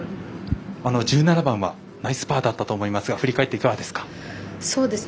１７番は、ナイスパーだったと思いますが振り返って、いかがですか？